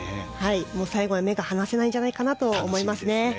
最後まで目が離せないんじゃないかなと思います。